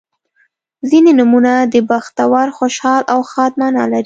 • ځینې نومونه د بختور، خوشحال او ښاد معنا لري.